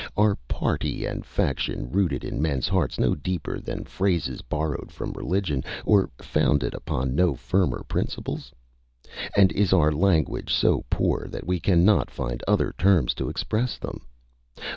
Are party and faction rooted in men's hearts no deeper than phrases borrowed from religion, or founded upon no firmer principles? And is our language so poor that we cannot find other terms to express them?